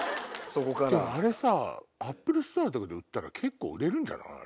あれさアップルストアで売ったら結構売れるんじゃない？